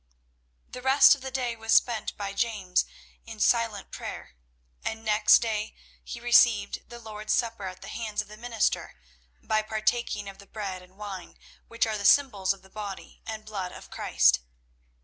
The rest of the day was spent by James in silent prayer, and next day he received the Lord's Supper at the hands of the minister, by partaking of the bread and wine which are the symbols of the body and blood of Christ.